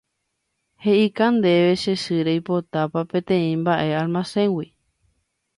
He'ika ndéve che sy reipotápa peteĩ mba'e almacéngui